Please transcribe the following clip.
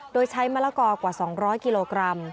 โดยใช้มะละกอกว่า๒๐๐กิโลกรัม